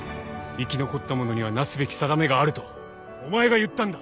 生き残った者にはなすべき定めがあるとお前が言ったんだ。